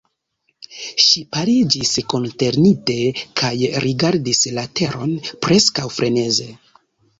Ŝi paliĝis, konsternite, kaj rigardis la teron preskaŭ freneze.